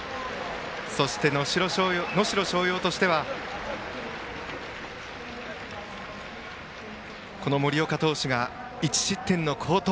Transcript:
そして能代松陽としては森岡投手が１失点の好投。